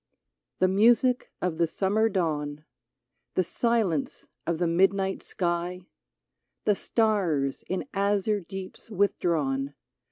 The music of the summer dawn, The silence of the midnight sky, The stars, in azure deeps withdrawn.